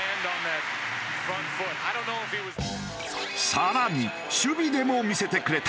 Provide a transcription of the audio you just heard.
更に守備でも見せてくれた。